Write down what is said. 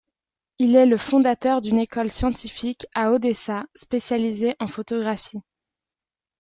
Il est le fondateur d'une école scientifique à Odessa spécialisée en photographie.